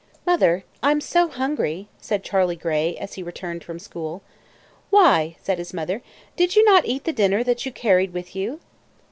"Mother, I am so hungry," said Charley Gray, as he returned from school. "Why!" said his mother, "did you not eat the dinner that you carried with you?"